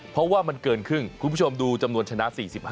เพราะว่ามันเกินครึ่งคุณผู้ชมดูจำนวนชนะ๔๕